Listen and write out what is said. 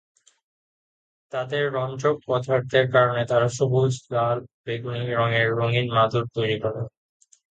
তাদের রঞ্জক পদার্থের কারণে তারা সবুজ, লাল ও বেগুনি রঙের রঙিন মাদুর তৈরি করে।